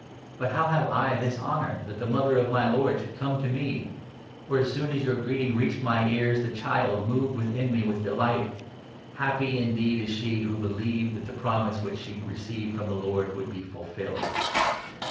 But how have I this honour, that the mother of my 43 Lord should come to me ? For, as soon as your greeting 44 reached my ears, the child moved within me with delight ! Happy indeed is she who believed chat the promise which she 45 received from the Lord would be fulfilled."